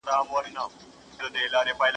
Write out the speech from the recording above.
¬ مياشت که يوه ده، ورځي ئې ډېري دي.